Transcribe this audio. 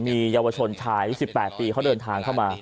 มีเยาวชนชายอายุ๑๘ปีเขาเดินทางเข้ามา